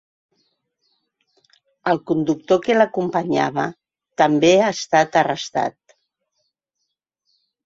El conductor que l’acompanyava també ha estat arrestat.